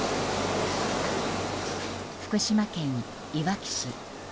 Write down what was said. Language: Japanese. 福島県いわき市。